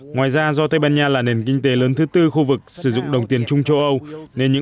ngoài ra do tây ban nha là nền kinh tế lớn thứ tư khu vực sử dụng đồng tiền chung châu âu nên những